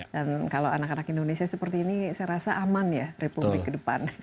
dan kalau anak anak indonesia seperti ini saya rasa aman ya republik ke depan